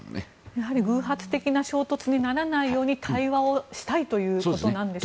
やはり偶発的な衝突にならないように対話をしたいということなんでしょうか。